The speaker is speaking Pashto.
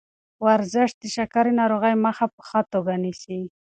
ورزش د شکرې ناروغۍ مخه په ښه توګه نیسي.